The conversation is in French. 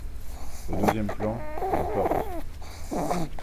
Au deuxième plan, une porte.